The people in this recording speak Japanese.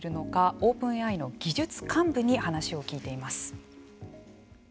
ＯｐｅｎＡＩの技術幹部に話を聞いています。